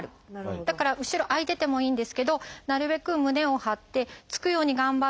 だから後ろ空いててもいいんですけどなるべく胸を張ってつくように頑張って。